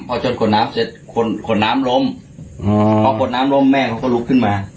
พอชนกดน้ำเสร็จน้ำล้มพอกดน้ำล้มแม่เขาก็ลุกขึ้นมา